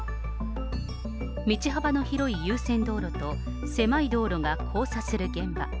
道幅の広い優先道路と狭い道路が交差する現場。